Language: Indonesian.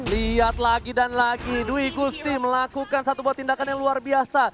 lihat lagi dan lagi dwi gusti melakukan satu buah tindakan yang luar biasa